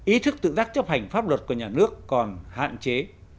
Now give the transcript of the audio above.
ý thức tự giác chấp hành pháp luật của nhà nước còn hạn chế